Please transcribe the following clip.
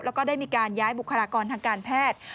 แล้วก็ได้มีการย้ายบุคลากรทางการแพทย์